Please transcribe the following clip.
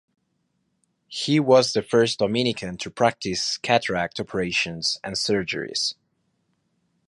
He was the first Dominican to practice cataract operations and surgeries.